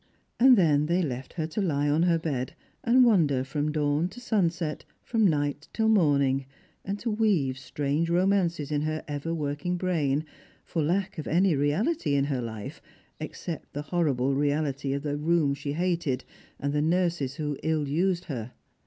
And then they left her to lie on her bed and wonder from dawn to sunset, from night till morning, and to weave strange romances in her ever working brain, for lack of any reality in her hfe except the horrible reality of the room she hated and the nurses who ill 338 Strangers and Pilgrims. used lier.